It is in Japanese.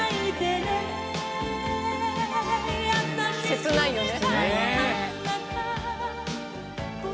切ないよね。